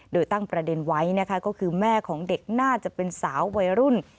โดยตั้งประเด็นไว้นะคะก็คือแม่ของเด็กน่าจะเป็นสาววัยรุ่น